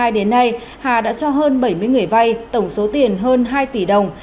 đến nay hà đã cho hơn bảy mươi người vay tổng số tiền hơn hai tỷ đồng